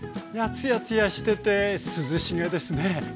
ツヤツヤしてて涼しげですね。